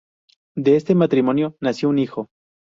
De este matrimonio nació un hijo.